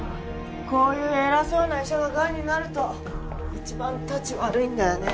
こういう偉そうな医者が癌になると一番たち悪いんだよね。